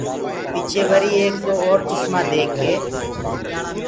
پچهي وري ايڪ دو اور چشمآ ديک ڪي۔